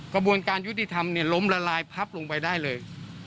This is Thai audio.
กระบวนการยุติธรรมล้มละลายพับลงไปได้เลย